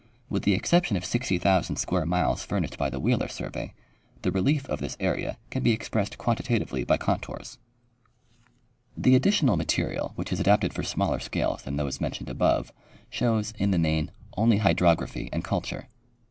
With the exception of 60,000 square miles furnished by the Wheeler survey, the relief of this area can be expressed quantitatively by contours. Hie Area not yet mapped. 113 The additional material which is adapted for smaller scales than those mentioned above shows, in the main, only hydrog raphy and culture.